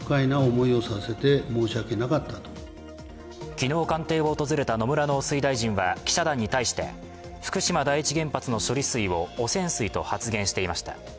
昨日官邸を訪れた野村農水大臣は記者団に対して福島第一原発の処理水を汚染水と発言していました。